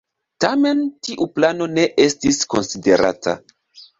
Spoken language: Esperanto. Tamen tiu plano ne estis konsiderata.